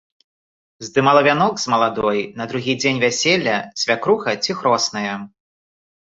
Здымала вянок з маладой на другі дзень вяселля свякруха ці хросная.